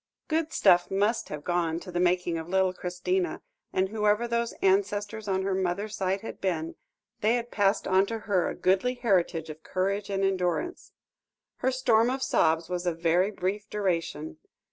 Good stuff must have gone to the making of little Christina, and whoever those ancestors on her mother's side had been, they had passed on to her a goodly heritage of courage and endurance. Her storm of sobs was of very brief duration.